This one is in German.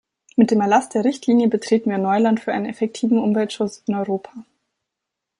Mit dem Erlass der Richtlinie betreten wir Neuland für einen effektiven Umweltschutz in Europa.